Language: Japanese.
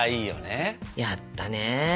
やったね。